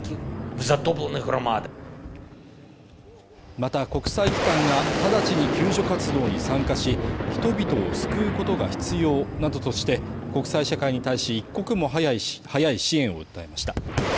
また国際機関が直ちに救助活動に参加し、人々を救うことが必要などとして、国際社会に対し一刻も早い支援を訴えました。